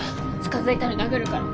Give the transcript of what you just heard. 近づいたら殴るから。